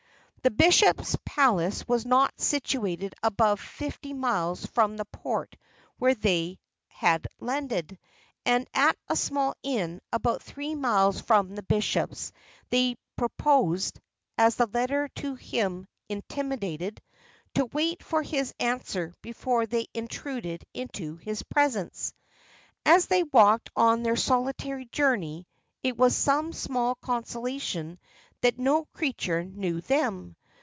The bishop's palace was not situated above fifty miles from the port where they had landed; and at a small inn about three miles from the bishop's they proposed (as the letter to him intimated) to wait for his answer before they intruded into his presence. As they walked on their solitary journey, it was some small consolation that no creature knew them.